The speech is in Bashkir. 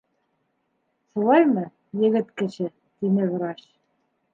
Шулаймы, егет кеше? - тине врач.